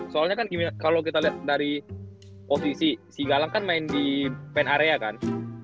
soalnya kan kalau kita lihat dari posisi si galang kan main di pen area kan